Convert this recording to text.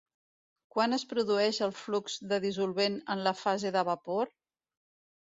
Quan es produeix el flux de dissolvent en la fase de vapor?